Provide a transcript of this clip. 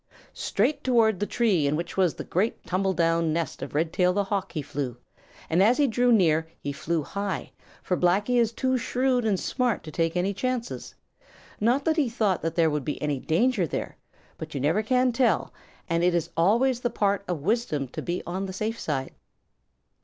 Straight toward the tree in which was the great tumble down nest of Redtail the Hawk he flew, and as he drew near, he flew high, for Blacky is too shrewd and smart to take any chances. Not that he thought that there could be any danger there; but you never can tell, and it is always the part of wisdom to be on the safe side.